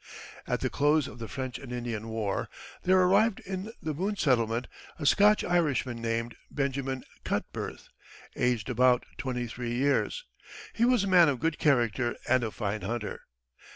At the close of the French and Indian War there arrived in the Boone settlement a Scotch Irishman named Benjamin Cutbirth, aged about twenty three years. He was a man of good character and a fine hunter.